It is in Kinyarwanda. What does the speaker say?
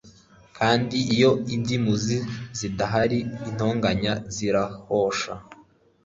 kandi iyo inzimuzi zidahari, intonganya zirahosha